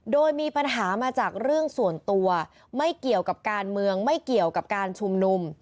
โดยมีปัญหามาจากเรื่องส่วนตัวไม่เกี่ยวกับการเมืองไม่เกี่ยวกับการชุมนุม